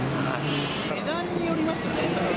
値段によりますね。